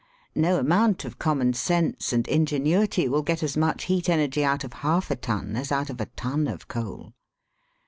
No amount of common sense and ingenuity will get as much heat energy out of half a ton as out of a ton of coal.